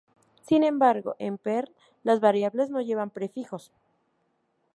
Sin embargo, en Perl, las variables no llevan prefijos.